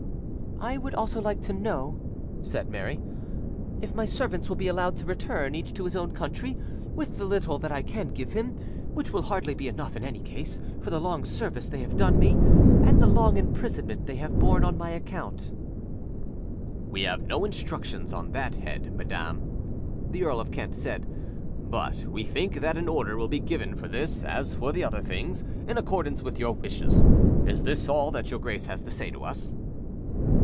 "I would also like to know," said Mary, "if my servants will be allowed to return, each to his own country, with the little that I can give him; which will hardly be enough, in any case, for the long service they have done me, and the long imprisonment they have borne on my account." "We have no instructions on that head, madam," the Earl of Kent said, "but we think that an order will be given for this as for the other things, in accordance with your wishes. Is this all that your Grace has to say to us?"